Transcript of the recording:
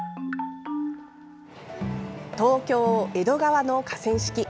東京・江戸川の河川敷。